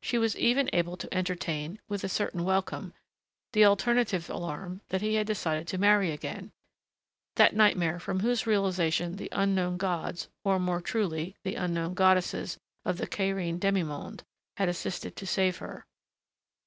She was even able to entertain, with a certain welcome, the alternative alarm that he had decided to marry again that nightmare from whose realization the unknown gods (or more truly, the unknown goddesses of the Cairene demi monde!) had assisted to save her.